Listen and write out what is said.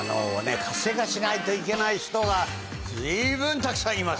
しないといけない人が随分たくさんいます。